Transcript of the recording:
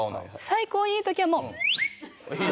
最高にいい時はもう。